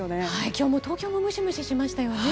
今日も東京もムシムシしましたよね。